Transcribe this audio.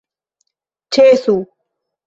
Ĉesu!